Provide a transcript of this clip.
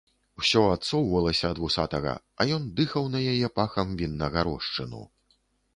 Усё адсоўвалася ад вусатага, а ён дыхаў на яе пахам віннага рошчыну.